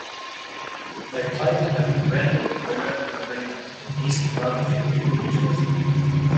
They played at the Brendan Byrne Arena in East Rutherford, New Jersey.